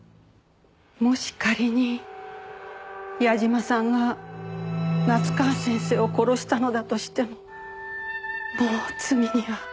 もし仮に矢嶋さんが夏河先生を殺したのだとしてももう罪には。